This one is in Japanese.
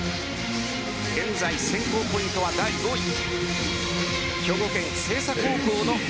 現在選考ポイントは第５位。